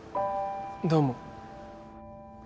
どうも。